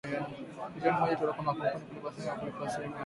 milioni moja ilitolewa kwa makampuni hayo kulipa sehemu ya deni hio